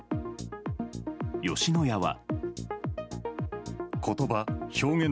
吉野家は。